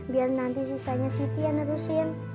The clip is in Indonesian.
biar nanti sisanya siti yang nerusin